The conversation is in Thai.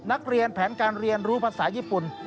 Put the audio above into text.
นักเรียนแผนการเรียนรู้ภาษาญี่ปุ่น